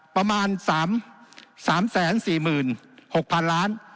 ประมาณสามสามแสนสี่หมื่นหกพันล้าน